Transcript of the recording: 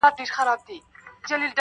• هغه به خپل زړه په ژړا وویني_